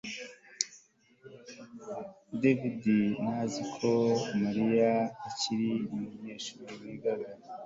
davide ntazi ko mariya akiri umunyeshuri wigaga